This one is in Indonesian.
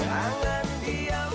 jangan diam diam begitu